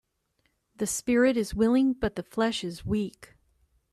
The spirit is willing but the flesh is weak